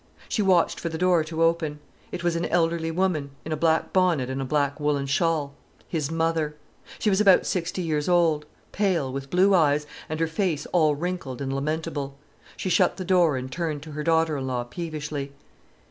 She watched for the door to open. It was an elderly woman, in a black bonnet and a black woollen shawl—his mother. She was about sixty years old, pale, with blue eyes, and her face all wrinkled and lamentable. She shut the door and turned to her daughter in law peevishly.